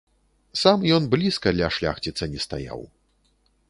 Сам ён блізка ля шляхціца не стаяў.